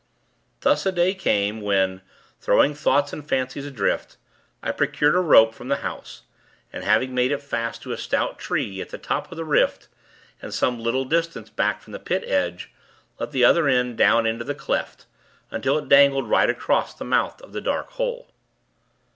Thus, a day came, when, throwing thoughts and fancies adrift, I procured a rope from the house, and, having made it fast to a stout tree, at the top of the rift, and some little distance back from the Pit edge, let the other end down into the cleft, until it dangled right across the mouth of the dark hole.